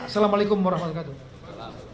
assalamualaikum warahmatullahi wabarakatuh